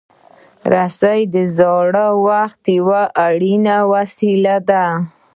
رسۍ د زاړه وخت یو اړین وسیله ده.